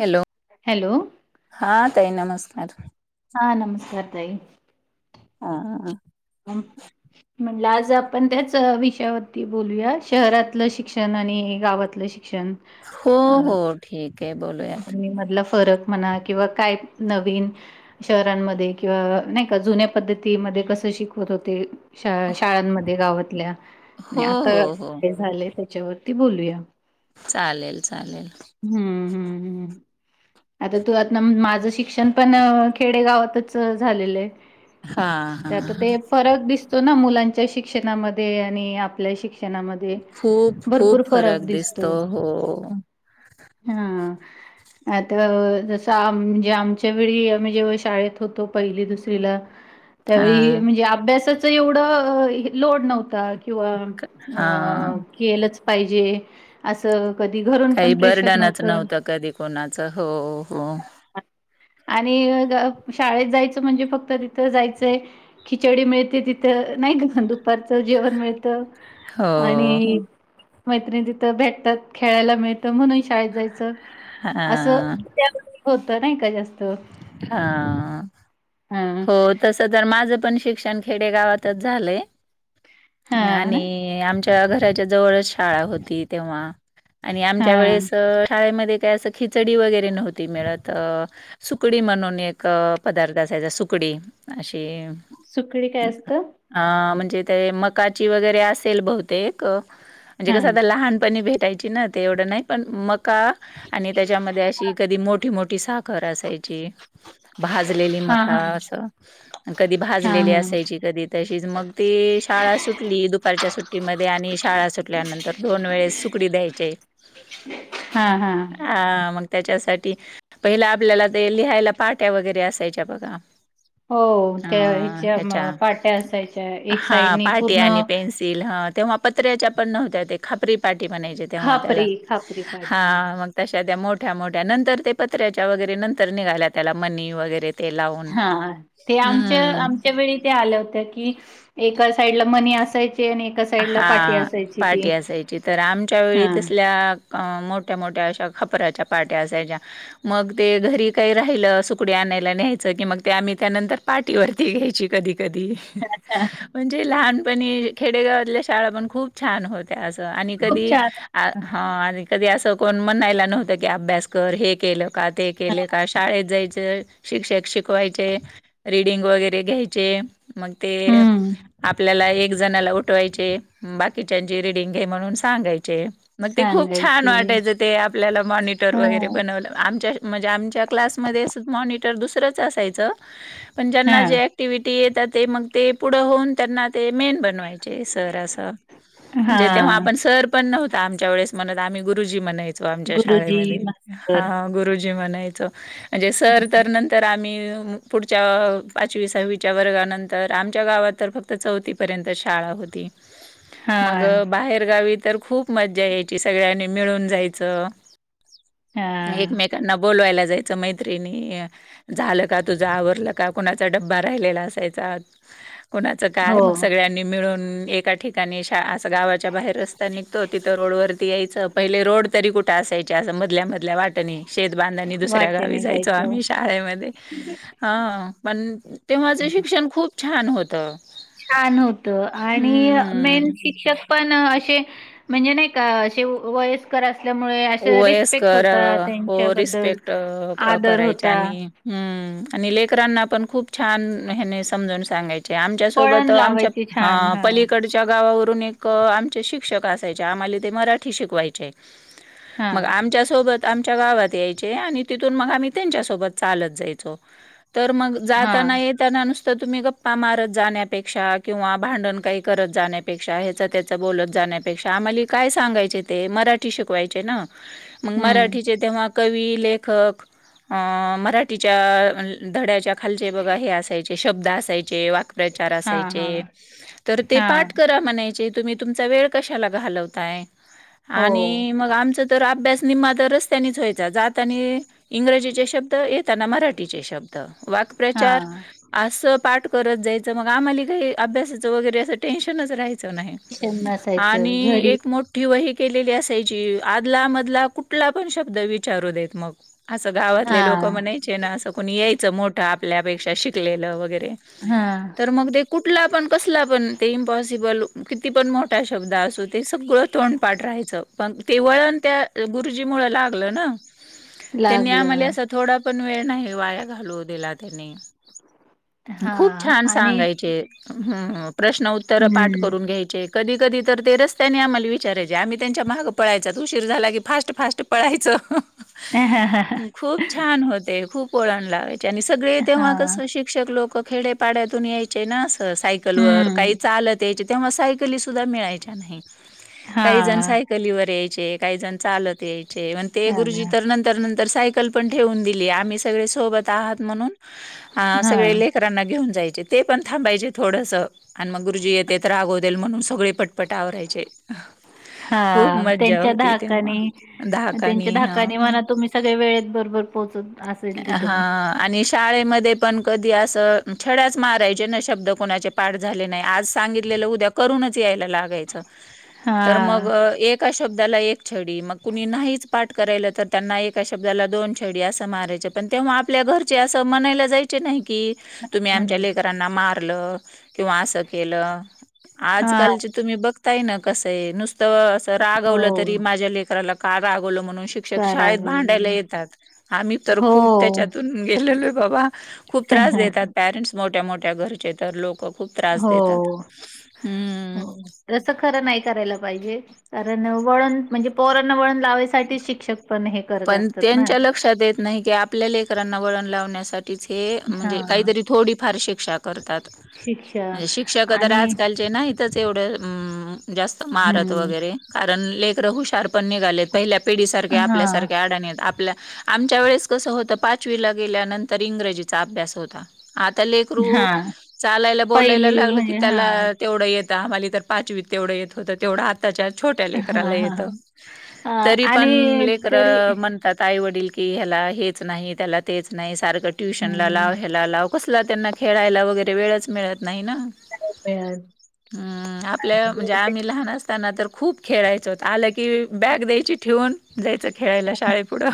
Hello. Hello हा ताई नमस्कार. हा नमस्कार ताई. हा [unintelligible] म्हणलाज तर आपण त्याच विषयावरती बोलूया शहरातलं शिक्षण आणि गावातलं शिक्षण. हो हो [unintelligible] ठीक आहे अ बोलूयात मी म्हटल फरक म्हणा किंवा काय नवीन शहरांमध्ये किंवा नाही का जुन्या पद्ध ती मध्ये कस शिकवत होते. श शाळांमध्ये गावातल्या आणि हो हो आता हो काय झाले त्याच्यावरती बोलूया. चालेल, चालेल. हम्म हम्म हम्म आता तू आता [unintelligible] माझं शिक्षण पण खेडेगावातच झालेलं आहे हा ते आता हा ते फरक दिसतो ना मुलांच्या शिक्षणामध्ये आणि आपल्या शिक्ष शिक्षणामध्ये खूप भरपूर खूप फरक दिसतो. हो हा. [unintelligible] आता जसं आम म्हणजे आमच्या वेळी आम्ही जेव्हा शाळेत होतो पहिली दुसरीला हा त्यावेळी म्हणजे अभ्यासाच एवढं लोड नव्हता. किंवा, हा केलंच पाहिजे. कधी घरून पण काही प्रेशर बर्डनच नव्हतं कधी कोणाचं. हो, हो आणि शाळेत जायचं म्हणजे, फक्त तिथं जायचं खिचडी मिळते, तिथ नाही दु दुपारचं जेवण मिळत, हो हो आणि मैत्रिणी तिथं भेटतात, खेळायला मिळत, म्हणून शाळेत जायचं असं हा त्यावेळी होत नाही का, जास्त हा, हा हो, तस तर माझ पण शिक्षण खेडे गावातच झालाय, हा ना आणि आमच्या घराच्या जवळच शाळा होती तेव्हा, आणि आमच्या हा वेळेस शाळेमध्ये काय असं, खिचडी वगैरे नव्हती मिळत. सुकडी म्हणून एक पदार्थ असायचा, सुकडी अशी सुकडी काय ते, असतं आ म्हणजे? तिथे मकाची वगैरे असेल बहुतेक, म्हणजे हा कसं आता लहानपणी भ द्यायचे ना, ते एवढं नाही पण मका आणि त्याच्यामध्ये अशी कधी मोठी, मोठी, साखर याची भाजलेली हा मका हा अस कधी, हा भाजलेली हा असायची कधी तशीच मग ती शाळा सुटली दुपारच्या सुट्टीमध्ये, आणि शाळा सुटल्यानंतर, दोन वेळेस सुकडी द्यायची. ह् [unintelligible] हा, मग त्याच्यासाठी, पहिला आपल्याला ते लिहायला पाट्या वगैरे असायच्या बघा. हो अ त्या म ह्याच्या, पाट्या असायच्या एक हा साइडनी पाटी पूर्ण आणि पेन्सिल ह तेव्हा पत्र्याच्या पण नव्हत्या ते खापरी पाठी म्हणायची तेव्हा त्याला खापरी खापरी हा पाट्या मग त्या मोठ्या मोठ्या नंतर ते पत्र्याच्या वगैरे नंतर निघाल्या त्याला मनी वगैरे ते लावून हा ते आमच्या हम्म आमच्या वेळी ते आल्या होत्या की एकच साईड ला मनी असायच. हा पाठी असायची तर आमच्या वेळी हा तसल्या मोठ्या मोठ्या खापरच्या पाट्या असाच्या मग घरी काही राहील सुकडी आणायला. यायचं की मग ते आम्ही त्यानंतर पाठीवरती घ्यायची कधी, कधी म्हणजे लहानपणी खेडेगावातल्या शाळा पण खूप छान होत. असं आणि खूप कधी छान अ ह कधी असं कोण म्हणायला नव्हतं की अभ्यास कर हे केलं का ते केलं का शाळेत जायच. शिक्षक शिकवायचे रीडिंग वगैरे घ्यायचे. मग ते हम्म आपल्याला एक जणाला उठ पाठवायचे बाकीच्याची रिडिंग घे म्हणून सांगायचे. मग ते खूप छान सांगायचे वाटायचं आपल्याला मॉनिटर ह वगैरे बनवायचे- म्हणजे आमच्या क्लासमध्ये मॉनिटर दुसरंच असायचं, पण हा ज्यांना जे ऍक्टिव्हिटीहा ते मग ते पुढं होऊन त्यांना ते मेन बनवायचे सर अस हा म्हणजे तेव्हा आपण सर पण नव्हता आमच्या वेळेस म्हणत आम्ही गुरुजी म्हणाचो आमच्या गुरुजी शाळेमध्ये ह मास्तर गुरुजी म्हणायच. म्हणजे सर तर नंतर आम्ही पुढच्या पाचवी, सहावीच्या वर्गानंतर आमच्या गावात तर फक्त चौथीपर्यंत शाळा होती हा मग बाहेर गावी तर, खूप मज्जा यायची सगळ्यांनी मिळून जायचं. हा एकमेकांना बोलवायला. मैत्रिणी झाल का तुझ, आवरलं का, कुणाचा डबा राहिलेला असायचा. कुणाचं हो काय मग सगळ्यांनी मिळून एका ठिकाणी असं गावाच्या बाहेर रस्ता निघतो तिथं रोड वरती यायं पहिले रोड तरी कुठे असायचे असं मधल्या धरल्या वाटणी शेत बांधानी दुसऱ्या गावी वाटेने जायचो जायचं आम्ही शाळेमध्ये ह पण तेव्हाचं शिक्षण खूप छान होत. छान होत आणि मेन शिक्षक पण म्हणजे नाहीका वयस्कर असल्यामुळे असे रिस्पेक्ट वयसकर होता हो त्यांच्याबद्दल रिस्पेक्ट आदर होता. करायच्या आणि हम्म- आणि लेकरांना पण खूप छान हे समजून सांगायच. आमच्या सोबत वळण लावायची छान आमच्या हा पलीकडच्या गावावर एक आमचे शिक्षक असायचे आम्हाला ते मराठी शिकवायचे. हा मग आमच्यासोबत. आमच्या गावात यायचे आणि तिथून मग आम्ही त्यांच्यासोबत चालत जायचो. तर मग हा जाताना येताना नुस तर तुम्ही गप्पा मारत जाण्यापेक्षा, किंवा भांडण काही करत जाण्यापेक्षा, हेच तेच बोलत जाण्य पेक्षा आम्हाला काय सांगय ते मराठी श शिकवायचे ना मग हम्म. मराठीचे तेव्हा कवी, लेखक. अ मराठीच्या धड्याच्या खालचे बघा हे असायचे शब्द असायचे. वाक्यप्रचार हा असाय हा तर ते हा पाठ करा म्हणायचे. तुम्ही तुम वेळ कशाला घालवताय हो आणि मग आमच तर अभ्यास निमा अभ्यास तर रस्तांनीच व्हायचा जात इंग्रजीचे शब्द येताना मराठीचे शब्द वाकप्रचार हा. असं पाठ करत जायचं मग आम्हाला. अभ्यासाच वगैरे अस टेशनच राहायच नाही शन नसायचं आणि घरी एक मोठी वही, केलेली असायची आदला मधला कुठला पण शब्द विचारू देत मग, असं हा गावातले लोक म्हणायचे ना असं कोणी यायचं मोठं आपल्यापेक्षा, शिकलेल वगैरे हा तर मग ते कुठला पण कस कुठला पण, ते इम्पॉसिबल किती पण मोठा शब्द असो, ते सगळं तोंडपाठ राहायचं. ते वळण त्या गुरुजी मूळ लागलं ना, त्यांनी आम्हा ला लागलं. थोडा पण वेळ नाही वाया घालू दिला त्यानी [inaudible] खूप छान आणि सांगायचे, प्रश्न उत्तर पाठ हम्म. करून घ्यायचे कधी कधी तर ते रस्त्याने आम्हाला विचारायचे. आम्ही त्यां त्यांच्या माग पळायचा, उशीर झाला की फास्ट फास्ट पळायच. खूप छान होते. खूप वळणं लागयची. सगळे हा तेव्हा कसं, शिक्षक लोक खेडेपाड्यातून यायचे. ना अस सायकल वर, हम्म काही चालत यायचे, तेव्हा सायकली सुद्धा मिळायच्या नाहीत. हा. यायचे काही जण चालत यायचे. [unintelligible] ते गुरुजी चालेल तर, नंतर, नंतर, सायकल पण ठेवून दिली आम्ही सगळे सोबत आहात म्हणून, अ हा सगळे लेकरांना घेऊन जायचे ते पण थांबायचे थोडस आणि मग गुरुजी येतेेत रागावतील, म्हणून सगळे पटपट आवरायच. हा त्यांच्या धाकानी, त्यांच्या धाकानी धाकानी, हां. म्हणा तुम्ही सगळे वेळेत बरोबर पोहोचत. असेल तिथं हा, मग. आणि शाळेमध्ये पण कधी अस छड्याच मारायचे ना, शब्द कोणाचे पाठ झाले नाही, आज सांगितलेलं उद्या करूनच यायला लागायच, तर मग हा एक अशी शब्दाला एक छडी, मग कुणी नाहीच पाठ करायल, तर त्यांना एका शब्दाला दोन छडी असं मारायच. तेव्हा आपल्या घरचे म्हणायला जायचे नाही की, तुम्ही आमच्या म्हणायच लेकरांना मार ल किंवा अस केलं, हा आजकाल चे तुम्ही बघता ना कसंय नुसतं असं रागवलं तरी, हो. माझ्या लेकराला का राग बोलो म्हणून शिक्षक शाळेत कारागोळी भांडायला येतात. आम्ही तर हो. खूप त्याच्यातून गेलेलोय बाबा. खूप त्रास देतात. परेंटस मोठ्या मोठ्या घरचे तर, लोक खूप त्रास देतात. हो, हम्म. हो, तस खरं नाही करायला पाहिजे. कारण वळण, म्हणजे पोरना वळण लावायसाठी शिक्षक पण हे करत पण असतात ना. त्यांच्या लक्षात येत नाही की, आपल्या लेकरांना वळण लावण्यासाठी म्हणजे हां. काहीतरी थोडी फार शिक्षा करतात. शिक्षा म्हणजे शिक्षक तर आणि आजकालचे नाहीत. जास्त मारत हं. वगैर कारण लेकरं हुशार पण निघालेत पहिल्या पिढीसारख्या हां, आपल्यासारख्या अडाणीत आपल्या आमच्या वेळेस कसं होतं, पाचवीला गेल्यानंतर इंग्रजीचा अभ्यास होता. आता लेकरू हां. चालायला बोलायला पहिली लागल की म्हणजे त्याला हां. तेवढं येत. आम्हाला तर पाचवी तेवढं येत होतं तेवढं आत्ताच्या छोट्या हां, लेकराला हां, येतं. हां. अ तरी पण आणि लेकर तरी म्हणातात आई वडील की हेला हेच नाही तेला तेच नाही सारख ट्युशन ला हं. लाव हेला लाव. कसला त्यांना खेळायला वगैरे वेळच मिळत नाही ना हं आपल्या म्हणजे आम्ही लहान असता त्यांना तर खूप खेळायचं होतं आलं की बॅग द्यायची ठेवून, जायचं खेळायला शाळेपुढं.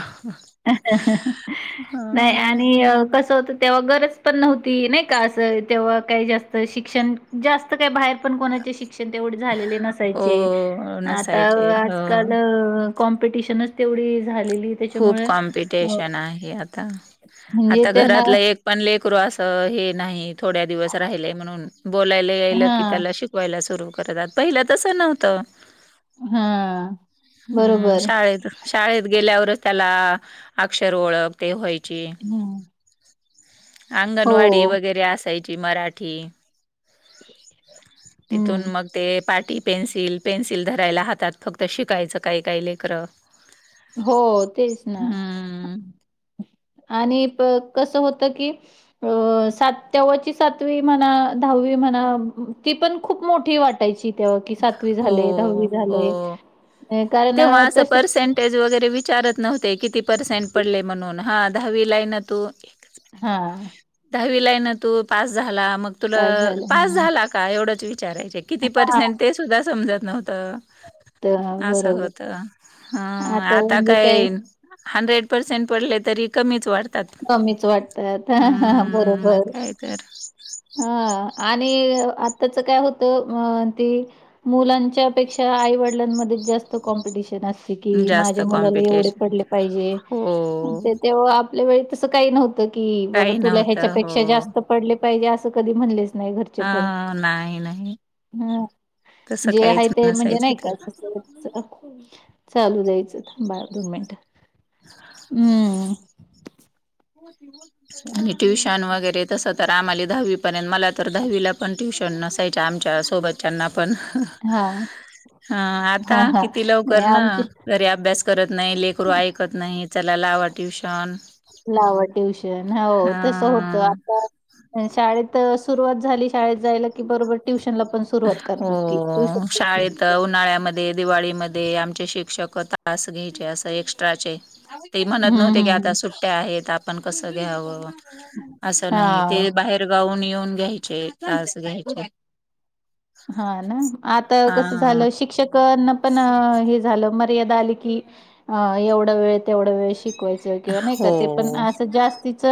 नाही हा आणि कस होत तेव्हा गरज पण नव्हती नाही का असं तेव्हा काही जास्त शिक्षण जास्त काय बाहेर पण कोणाचे शिक क्षण तेवढे झालेले नसायचे हो आता नसायचे हो आजकाल कॉम्पिटिशनच तेवढी झालेली खूप त्याच्यामुळं कॉम्पिटिशन आहे आता. म्हणजे त्यांना घरातला एक पण लेक करू अस हे नाही थोड्या दिवस राहिले म्हणून बोलायला याल की हां, त्याला शिकवायला सुरू करत पहिल्या तसं नव्हतं. हां. हं बरोबर. शाळेत शाळेत गेल्यावर त्याला अक्षर ओळख ते व्हायची. हं. अंगणवाडी हो. वगैरे असायची मराठी. [inaudible] [inaudible] तिथून हं. मग ते [inaudible] ती पेन्सिल पेन्सिल धरायला हातात फक्त शिकायचं काही काय लेकरं हो तेच ना हम्म आणि कस होत [inaudible] की स्हा सातवी म्हणा दहावी म्हणा ती पण खूप [inaudible] खूप मोठी वाटायची तेव्हा कि सातवी हो झाले दहावी हो झाले [inaudible] [inaudible] तेव्हा अ, असं तसे पर्सेंटेज वगैरे वि विचारत नव्हते किती पर्सेंट पडले म्हणून हा दहावी लाई ना तू [inaudible] हा [inaudible] न तू पास झाला मग तुला पास झाले पास हा झाला का एवढच वि [inaudible] ा कि हा पसें सुा समत नव्हत तर [inaudible] [inaudible] बरोबर होत ह आता काय येईन हंड्रेड पर्सेंट पडले तरी कमीच वाढत [inaudible] [inaudible] कमीच वाटतात ह ह मग बरोबर काय तर हा आताच काय होत मुलांच्या पेक्षा आईवडिलांमध्ये [inaudible] जास्त माव कॉम्पिटिशन हो प पा वळी तसं काही नव्हतं की बाबा काही तुला नव्हतं हो ह्याच्यापेक्षा जास्त पडले पाहिजे असं कधी म्हणले [inaudible] नाही घरचे हा पण नाही नाही हम [inaudible] [inaudible] तसं जे काहीच आहे ते म्हणजे नसायचं नाही का ते चालू द्यायचं थबा दोन मिनट हम्म [inaudible] [inaudible] आणि त्यामुळे ट्युशन वगैरे तस आम्हाली दहावी पर्यंत मला तर दहावीला पण ट्युशन नसायच [inaudible] आमच्या सोबतच्याना पण. हां, हा आता हां, हां. किती नाही लवकर ना आमची घरी अभ्यास करत नाही लेकरू ऐकत नाही? ललावा ट्यूशन [inaudible] ला ट्युशन हो तस होत आ शाळेत [inaudible] रुवात झाली शाळेत जायला की बरोबर ट्यश [inaudible] [inaudible] हो सुरू शाळेत करतात. उन्हाळ्यामध्ये दिवाळीमध्ये ते आमचे शिक्षक तास घ्यायचे अस एक्स्ट्राचे ते म्हणत हं, नव्हते की आता हं. सुट्ट्या आहेत आपण कसं घ्यावं [inaudible] असं नाही हां. ते बाहेर गाऊन येऊन घ्यायचे तस घ्यायचे [inaudible] हा ना आता कस हां झालं शिक्षकना पण हे झालं म कीवढ वेळ तेवढ वेळ श [inaudible] हो. [unintelligible] जास्तीच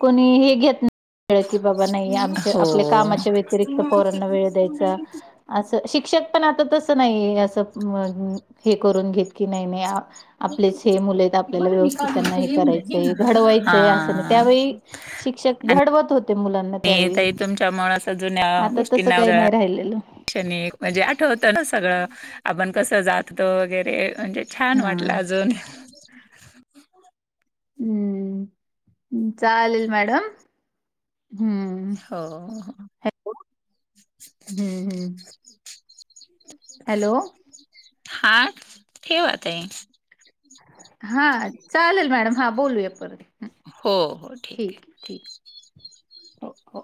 कोणी हे हे घेत नाही. [inaudible] कळ की बाबा नाही आमच्या आपल्या हो कामाच्या व्यतिरिक्त फोरांना वेळ द्यायच [inaudible] असं शिक्षक पण आता तसं नाही असं हे करून घेत की नाही नाही? आपलेच हे मुलं आहेत तर आपल्याला व्यवस्थित त्यांना हे करायचंय घडवायचंय असं नाही हा त्यावेळी [inaudible] [inaudible] शिक्षक घडवत होते मुलांना [inaudible] मी त त्यावेळी, तुमच्या मळ असं जुन्या आता गोष्टी तसं नाव काही नाही राहिलेलं. दे [inaudible] णिक म्हणजे आठवत ना सगळं आपण कस जात वगैरे म्हणजे छान वाटलं हां. अजून [inaudible] [inaudible] हम्म चालेल मॅडम. हम्म हॅलो हो हम्म हम्म [inaudible] [inaudible] हॅलो हा हे ठेवा आहे [inaudible] [inaudible] हा चालेल मॅडम हा बोलूया परत. हो हो ठीक आहे' [inaudible] हो हो